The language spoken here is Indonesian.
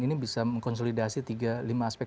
ini bisa mengkonsolidasi lima aspek